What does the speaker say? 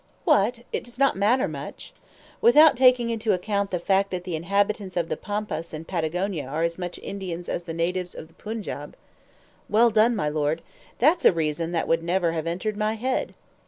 "What! it does not matter much?" "Without taking into account the fact that the inhabitants of the Pampas in Patagonia are as much Indians as the natives of the Punjaub." "Well done, my Lord. That's a reason that would never have entered my head!"